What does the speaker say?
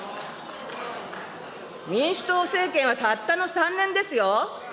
民主党政権はたったの３年ですよ。